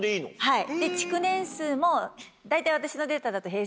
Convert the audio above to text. はい。